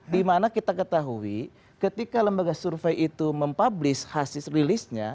dimana kita ketahui ketika lembaga survei itu mempublish hasil rilisnya